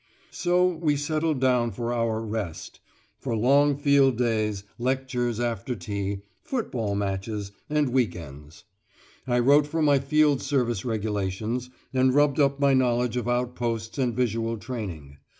So we settled down for our "rest," for long field days, lectures after tea, football matches, and week ends; I wrote for my Field Service Regulations, and rubbed up my knowledge of outposts and visual training.